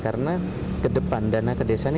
karena kedepan dana ke desa ini